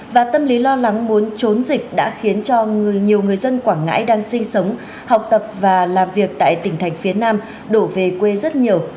và tâm lý lo lắng muốn trốn dịch đã khiến cho nhiều người dân quảng ngãi đang sinh sống học tập và làm việc tại tỉnh thành phía nam đổ về quê rất nhiều